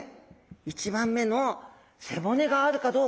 １番目の背骨があるかどうか。